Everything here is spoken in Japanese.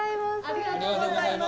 ありがとうございます。